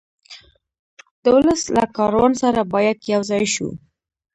د ولس له کاروان سره باید یو ځای شو.